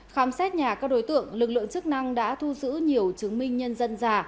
khám xét nhà các đối tượng lực lượng chức năng đã thu giữ nhiều chứng minh nhân dân giả